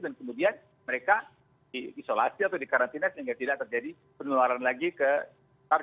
dan kemudian mereka diisolasi atau dikarantinas sehingga tidak terjadi penularan lagi ke target